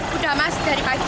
sudah mas dari pagi